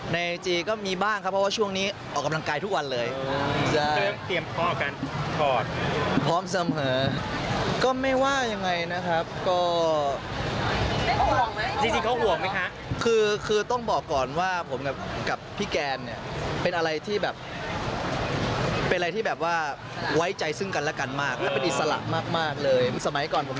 ในจีก็มีบ้างครับเพราะว่าช่วงนี้ออกกำลังกายทุกวันเลย